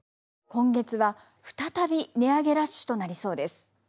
今月はふたたび値上げラッシュとなりそうです。